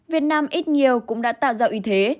việt nam ít nhiều cũng đã tạo ra thế